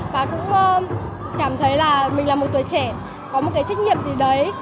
và cũng cảm thấy là mình là một tuổi trẻ có một cái trách nhiệm gì đấy